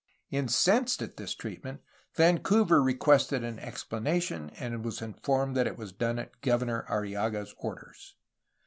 Incensed at this treatment, Vancouver requested an explanation, and was informed that it was done at Governor Arrillaga's orders.